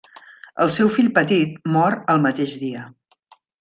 El seu fill petit mor el mateix dia.